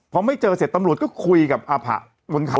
พอไม่เจอเสร็จตำรวจก็คุยกับอาผะบนเขา